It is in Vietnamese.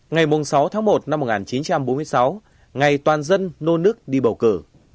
ngày sáu tháng một năm một nghìn chín trăm bốn mươi sáu ngày toàn dân nôn nức đi bầu cử